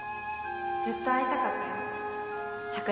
ずっと会いたかったよ桜木くん。